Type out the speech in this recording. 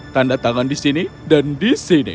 tanda tangan di sini dan di sini